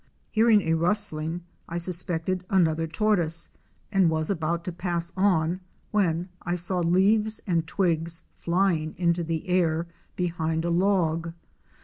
Hearing a rustling I suspected another tortoise, and was about to pass on when I saw leaves and twigs flying into the air behind a log.